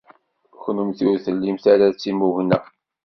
Kennemti ur tellimt ara d timugna.